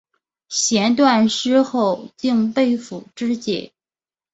弦断矢尽后被俘支解。